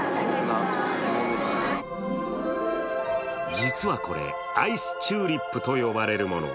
実はこれ、アイスチューリップと呼ばれるもの。